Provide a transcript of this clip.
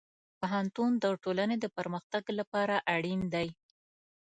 پوهنتون د ټولنې د پرمختګ لپاره اړین دی.